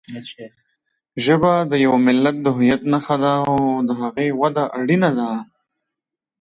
ژبه د یوه ملت د هویت نښه ده او د هغې وده اړینه ده.